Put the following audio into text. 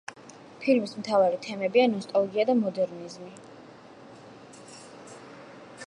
ფილმის მთავარი თემებია ნოსტალგია და მოდერნიზმი.